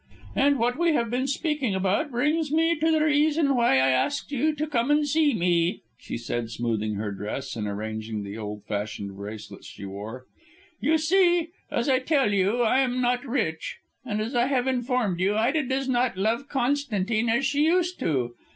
"And what we have been speaking about brings me to the reason why I asked you to come and see me," she said, smoothing her dress and arranging the old fashioned bracelets she wore. "You see, as I tell you, I am not rich, and as I have informed you, Ida does not love Constantine as she used to.